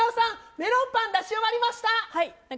メロンパン出し終わりました！